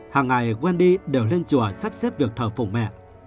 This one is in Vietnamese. hàng ngày quen đi đều lên chùa sắp xếp việc thờ phụ mẹ